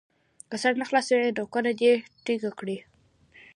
که سر نه خلاصوي نو کونه دې ټینګه کړي.